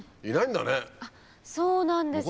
そうなんですよね。